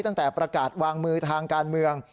ตั้งแต่ประกาศวางมือทางการเมือง